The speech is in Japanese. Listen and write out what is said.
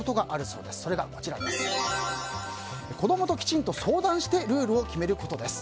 それが、子供ときちんと相談してルールを決めることです。